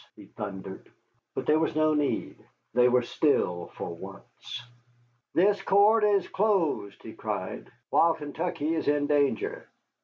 he thundered. But there was no need, they were still for once. "This court is closed," he cried, "while Kentucky is in danger.